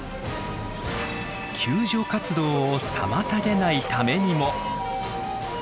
救助活動を妨げないためにも。